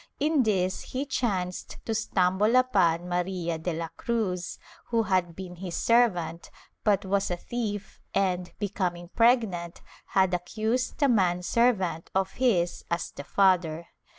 In this he chanced to stumble upon Maria de la Cruz, who had been his servant, but was a thief and, becoming pregnant, had accused a man servant of his as the father.